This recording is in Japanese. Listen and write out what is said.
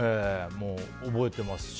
覚えてますし。